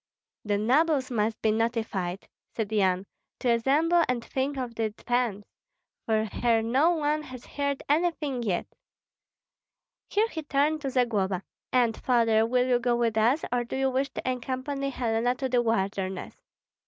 "The nobles must be notified," said Yan, "to assemble and think of defence, for here no one has heard anything yet." Here he turned to Zagloba: "And, Father, will you go with us, or do you wish to accompany Helena to the wilderness?"